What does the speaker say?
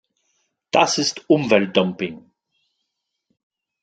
Das ist Umweltdumping.